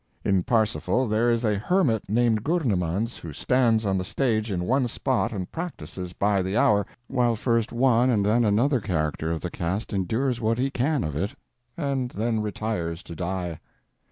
In "Parsifal" there is a hermit named Gurnemanz who stands on the stage in one spot and practices by the hour, while first one and then another character of the cast endures what he can of it and then retires to die.